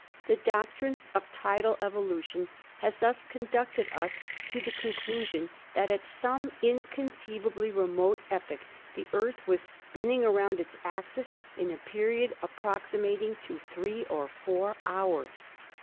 The doctrine of tidal evolution has thus conducted us to the conclusion that at some incon ceivably remote epoch the Earth was spinning around its axis in a period approximating to three or four hours."